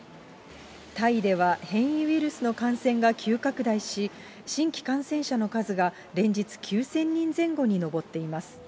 タイでは変異ウイルスの感染が急拡大し、新規感染者の数が連日９０００人前後に上っています。